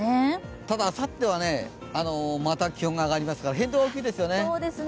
ただあさっては、また気温が上がりますから、変動が大きいですね。